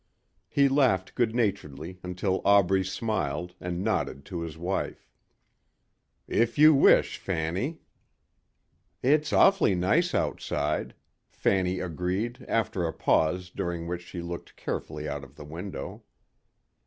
He laughed good naturedly until Aubrey smiled, and nodded to his wife. "If you wish, Fanny." "It's awfully nice outside," Fanny agreed after a pause during which she looked carefully out of the window.